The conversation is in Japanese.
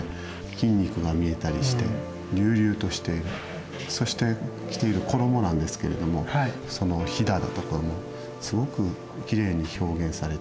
筋肉が見えたりして隆々としてそして着ている衣なんですけれどもそのひだとかもすごくきれいに表現されている。